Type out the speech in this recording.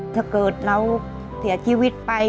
ถ้าเกิดเราเสียชีวิตไป